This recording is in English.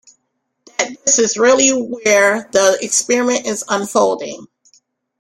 That this is really where the experiment is unfolding.